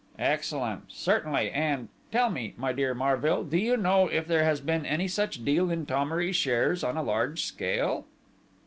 "Excellent, certainly ... and ... tell me, my dear Marville, do you know if there has been any such deal in Thomery shares on a large scale?"